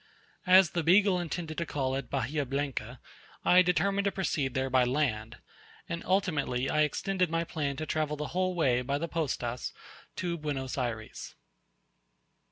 As the Beagle intended to call at Bahia Blanca, I determined to proceed there by land; and ultimately I extended my plan to travel the whole way by the postas to Buenos Ayres.